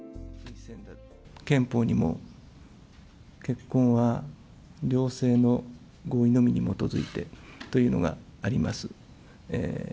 憲法にも結婚は両性の合意のみに基づいてというのがあります。